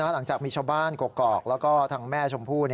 หลังจากมีชาวบ้านกกอกแล้วก็ทางแม่ชมพู่